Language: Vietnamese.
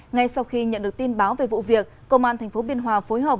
ngay sau khi nhận được tin báo về vụ việc công an tp biên hòa phối hợp